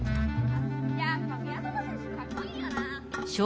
やっぱ宮園せんしゅかっこいいよな！